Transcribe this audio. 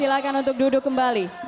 bukan waktu untuk duduk kembali